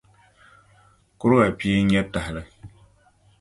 Kuruwa pia n-nyɛ tahili.